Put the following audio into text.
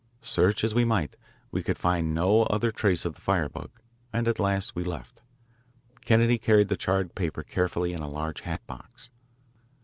Search as we might, we could find no other trace of the firebug, and at last we left. Kennedy carried the charred paper carefully in a large hat box.